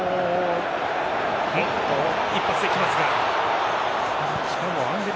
一発で行きますが。